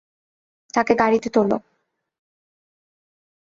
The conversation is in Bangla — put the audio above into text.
তাকে গাড়িতে তোলো।